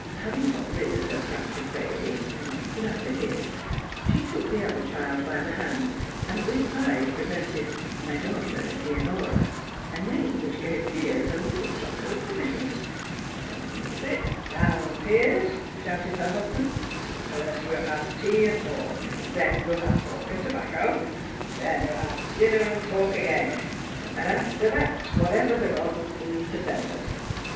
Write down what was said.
Having got rid of her fractious baby not without a kiss she took the other child by the hand and with pride presented "My daughter Leonora" a name which gave Piers a little shock of astonishment. "Sit down, Piers," shouted her husband. "First we'll have tea and talk; then we'll have talk and tobacco; then we'll have dinner and talk again, and after that whatever the gods please to send us.